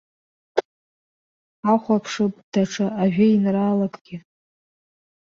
Ҳахәаԥшып даҽа ажәеинраалакгьы.